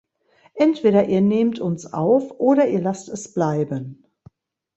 Entweder ihr nehmt uns auf, oder ihr lasst es bleiben.